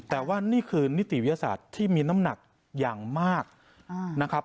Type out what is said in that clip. แต่ว่านี่คือนิติวิทยาศาสตร์ที่มีน้ำหนักอย่างมากนะครับ